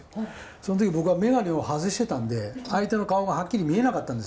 その時僕は眼鏡を外してたんで相手の顔がハッキリ見えなかったんですよ。